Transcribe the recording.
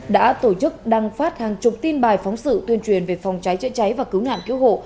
đã tổ chức đăng phát hàng chục tin bài phóng sự tuyên truyền về phòng cháy chữa cháy và cứu nạn cứu hộ